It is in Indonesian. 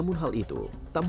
tahlilan itu biasa